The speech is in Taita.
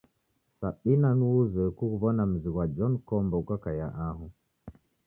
Sabina nuo uzoe kughuw'ona muzi ghwa John Kombo ukakaia aho.